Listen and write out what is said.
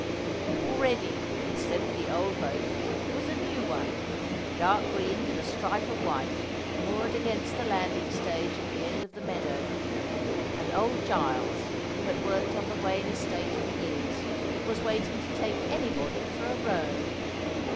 Already, instead of the old boat, there was a new one, dark green with a stripe of white, moored against the landing stage at the end of the meadow; and old Giles, who had worked on the Wayne estate for years, was waiting to take anybody for a row.